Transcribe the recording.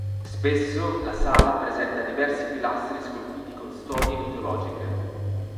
Spesso la sala presenta diversi pilastri scolpiti con storie mitologiche.